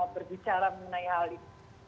berbicara mengenai hal ini